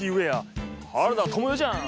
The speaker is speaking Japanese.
原田知世じゃん。